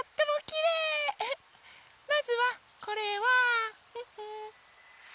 まずはこれは。